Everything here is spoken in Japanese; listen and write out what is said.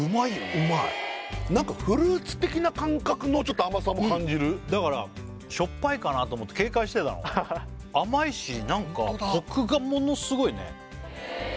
うまいなんかフルーツ的な感覚のちょっと甘さも感じるだからしょっぱいかなと思って警戒してたの甘いしなんかコクがものすごいね